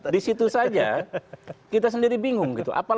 di situ saja kita sendiri bingung gitu